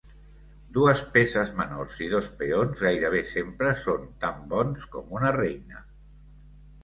Dues peces menors i dos peons gairebé sempre són tan bons com una reina.